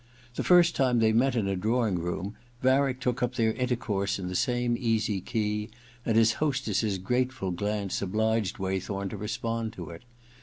The first time they met in a drawing room, Varick took up their intercourse in the same easy key, and his hostesses grateful glance obliged Waythorn to respond to it.